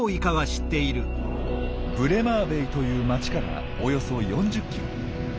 ブレマーベイという町からおよそ４０ｋｍ。